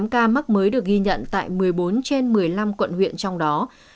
năm trăm bốn mươi tám ca mắc mới được ghi nhận tại một mươi bốn trên một mươi năm quận huyện trong đó